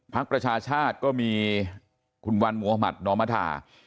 พักประชาชาติก็มีคุณวันหมวมหมาตรนอมทา